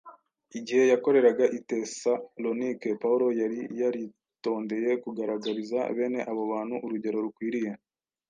Igihe yakoreraga i Tesalonike, Pawulo yari yaritondeye kugaragariza bene abo bantu urugero rukwiriye